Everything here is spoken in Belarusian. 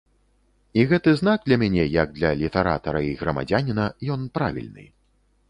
І гэты знак для мяне, як для літаратара й грамадзяніна, ён правільны.